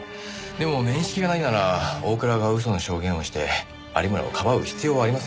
でも面識がないなら大倉が嘘の証言をして有村をかばう必要はありません。